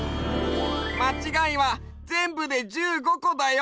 まちがいはぜんぶで１５こだよ！